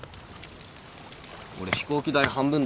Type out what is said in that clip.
俺飛行機代半分出すよ。